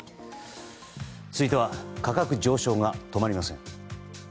続いては価格上昇が止まりません。